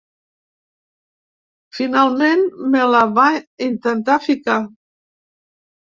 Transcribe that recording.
Finalment, me la va intentar ficar.